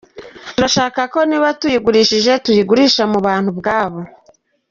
Turashaka ko niba tuyigurishije, tuyigurisha mu bantu ubwabo.